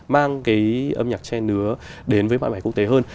mang cái âm nhạc che nứa đến với bạn bè quốc tế hơn